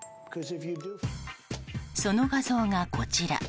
その画像がこちら。